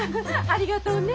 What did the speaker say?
ありがとうね。